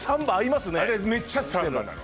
あれめっちゃサンバなの。